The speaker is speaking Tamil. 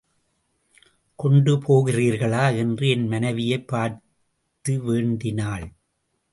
கொண்டு போகிறீர்களா? என்று என் மனைவியைப் பார்த்து வேண்டினாள்.